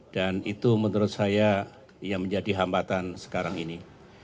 dan itu menurut saya yang menjadi hambatan sekarang ini